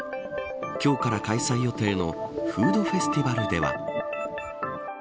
今日から開催予定のフードフェスティバルでは。